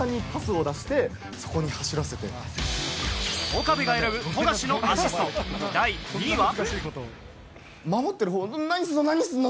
岡部が選ぶ富樫のアシスト、第２位は。